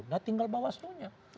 nah tinggal bawaslunya